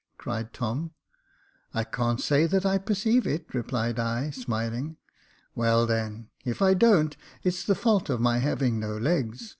" cried Tom. " I can't say that I perceive it," replied I, smiling. *' Well, then, if I don't, it's the fault of my having no legs.